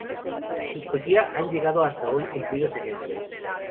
De su poesía han llegado hasta hoy cumplidos ejemplos.